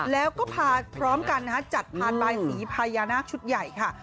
แล้วก็พาพร้อมกันนะฮะจัดพานบายสีพญานาคชุดใหญ่ค่ะ